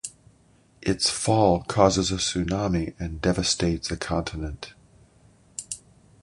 Its fall causes a tsunami and devastates a continent.